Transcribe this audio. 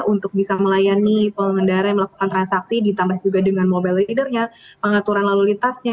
untuk bisa melayani pengendara yang melakukan transaksi ditambah juga dengan mobile leadernya pengaturan lalu lintasnya